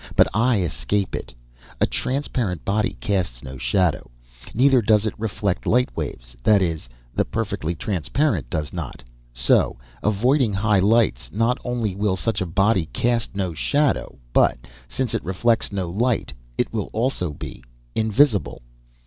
But I escape it. A transparent body casts no shadow; neither does it reflect light waves—that is, the perfectly transparent does not. So, avoiding high lights, not only will such a body cast no shadow, but, since it reflects no light, it will also be invisible."